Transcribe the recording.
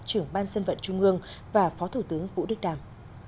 trưởng ban dân vận trung ương và phó thủ tướng vũ đức đàm